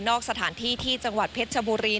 สถานที่ที่จังหวัดเพชรชบุรี